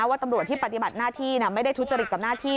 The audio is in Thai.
ว่าตำรวจที่ปฏิบัติหน้าที่ไม่ได้ทุจริตกับหน้าที่